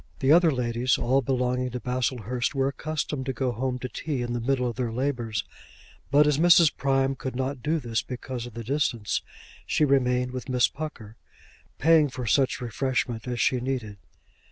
The other ladies, all belonging to Baslehurst, were accustomed to go home to tea in the middle of their labours; but, as Mrs. Prime could not do this because of the distance, she remained with Miss Pucker, paying for such refreshment as she needed.